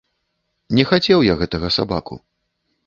Не хацеў я гэтага сабаку.